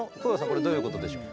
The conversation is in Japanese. これどういうことでしょう？